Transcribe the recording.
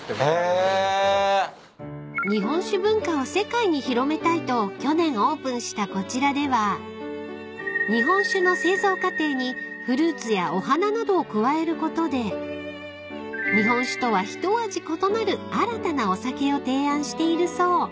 ［日本酒文化を世界に広めたいと去年オープンしたこちらでは日本酒の製造過程にフルーツやお花などを加えることで日本酒とは一味異なる新たなお酒を提案しているそう］